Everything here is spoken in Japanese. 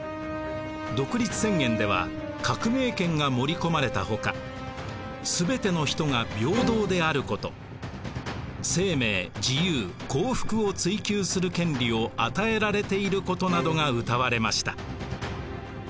独立宣言では革命権が盛り込まれたほかすべての人が平等であること生命・自由・幸福を追求する権利を与えられていることなどがうたわれました。